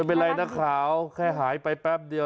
ไม่เป็นไรนักข่าวแค่หายไปแป๊บเดียว